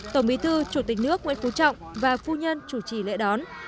tổng bí thư chủ tịch nước nguyễn phú trọng và phu nhân chủ trì lễ đón